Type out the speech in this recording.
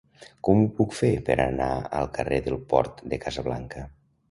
Com ho puc fer per anar al carrer del Port de Casablanca?